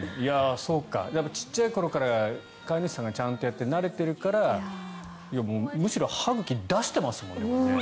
ちっちゃい頃から飼い主さんがちゃんとやって慣れているからむしろ歯茎出してますもんね。